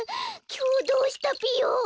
きょうどうしたぴよ？